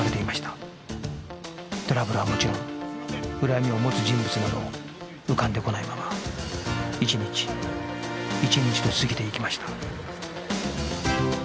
トラブルはもちろん恨みを持つ人物なども浮かんでこないまま一日一日と過ぎていきました